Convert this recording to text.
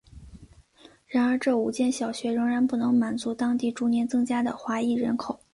然而这五间小学仍然不能满足当地逐年增加的华裔人口。